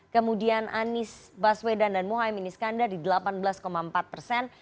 kemudian anies baswedan dan muhaymin iskandar di delapan belas empat persen